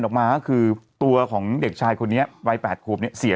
ออกมาคือตัวของเด็กชายคนเนี้ยวายแปดโครบเนี้ยเสีย